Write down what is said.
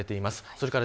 それから